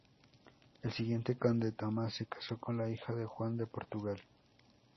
El siguiente conde, Thomas, se casó con la hija de Juan de Portugal.